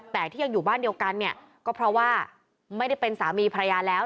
แต่ที่ยังอยู่บ้านเดียวกันเนี่ยก็เพราะว่าไม่ได้เป็นสามีภรรยาแล้ว